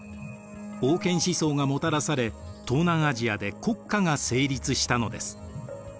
王権思想がもたらされ東南アジアで国家が成立したのです。